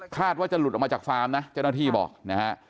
ว่าจะหลุดออกมาจากฟาร์มนะเจ้าหน้าที่บอกนะฮะ